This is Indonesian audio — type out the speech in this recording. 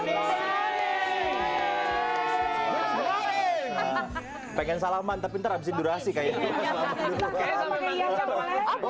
pengen salaman tapi ntar habisin durasi kayaknya